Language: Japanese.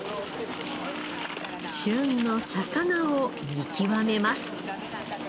旬の魚を見極めます